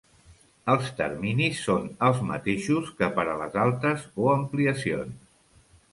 Els terminis són els mateixos que per a les altes o ampliacions.